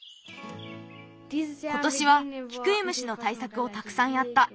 ことしはキクイムシのたいさくをたくさんやった。